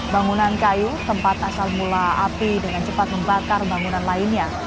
bangunan kayu tempat asal mula api dengan cepat membakar bangunan lainnya